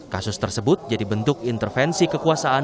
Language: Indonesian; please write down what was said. kasus tersebut jadi bentuk intervensi kekuasaan